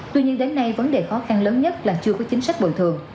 tuy nhiên đến nay vấn đề khó khăn lớn nhất là chưa có chính sách bồi thường